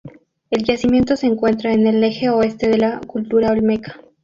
El yacimiento se encuentra en el eje oeste de la cultura olmeca.